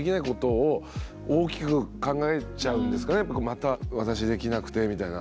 また私できなくてみたいな。